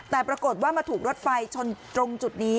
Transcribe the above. แต่ปรากฏว่ามาถูกรถไฟชนตรงจุดนี้